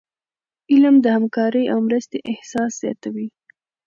علم د همکاری او مرستي احساس زیاتوي.